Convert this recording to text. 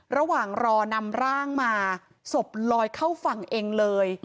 ระหว่างรอนำร่างมาศพลอยเข้าฝั่งเองเลย